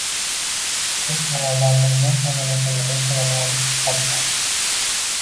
ko‘p ma’nolarni lo‘ndagina jumlada ifodalay olish fazilati